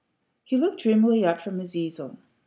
He looked dreamily up from his easel.